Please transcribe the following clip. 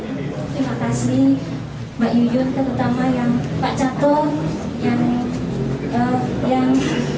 terima kasih mbak yuyun terutama yang pak chaton